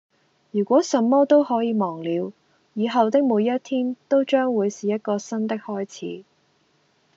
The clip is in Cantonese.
如果什麼都可以忘了，以後的每一天都將會是一個新的開始